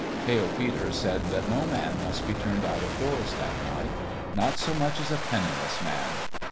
Pale Peter said that no man must be turned out of doors that night not so much as a penniless man.